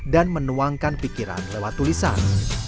dan menuangkan pikiran lewat tulisan